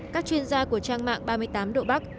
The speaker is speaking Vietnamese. các chuyên gia của trang mạng ba mươi tám độ bắc